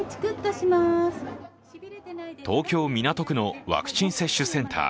東京・港区のワクチン接種センター。